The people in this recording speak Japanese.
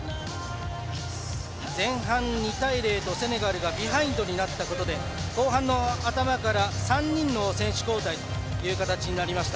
前半２対０とセネガルがビハインドになったことで後半の頭から３人の選手交代という形になりました。